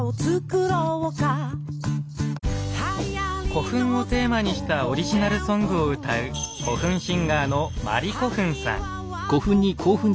古墳をテーマにしたオリジナルソングを歌う古墳シンガーのまりこふんさん。